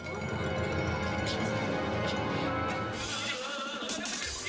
tadi lu gak pernah sampai ke sini